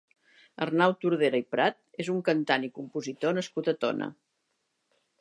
Arnau Tordera i Prat és un cantant i compositor nascut a Tona.